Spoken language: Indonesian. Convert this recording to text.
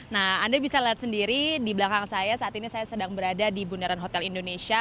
nah anda bisa lihat sendiri di belakang saya saat ini saya sedang berada di bundaran hotel indonesia